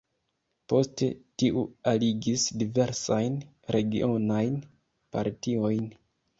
Poste tiu aligis diversajn regionajn partiojn.